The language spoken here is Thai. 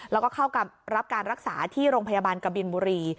แล้วก็เข้ากับรับการรักษาที่โรงพยาบาลกบินบุรี